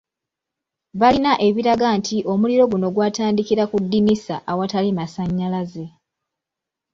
Balina ebiraga nti omuliro guno gwatandikira ku ddinisa awatali masannyalaze.